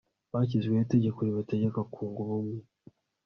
hashyizweho itegeko ribategeka kunga ubumwe